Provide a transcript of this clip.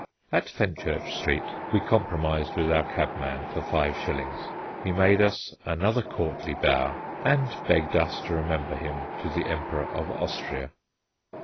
At Fenchurch Street we compromised with our cabman for five shillings. He made us another courtly bow, and begged us to remember him to the Emperor of Austria.